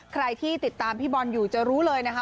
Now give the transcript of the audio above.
ใครที่ติดตามพี่บอลอยู่จะรู้เลยนะคะ